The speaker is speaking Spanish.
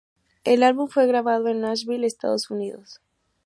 El álbum fue grabado en Nashville, Estados Unidos.